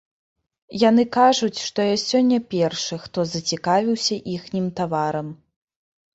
Яны кажуць, што я сёння першы, хто зацікавіўся іхнім таварам.